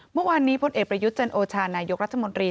เมื่อวานนี้พลเอกประยุทธ์จันโอชานายกรัฐมนตรี